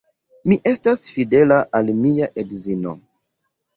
Mi estas fidela al mia edzino.